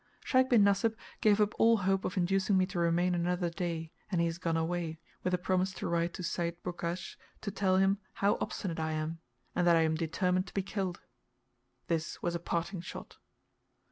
Sheikh bin Nasib gave up all hope of inducing me to remain another day, and he has gone away, with a promise to write to Seyd Burghash to tell him how obstinate I am; and that I am determined to be killed. This was a parting shot.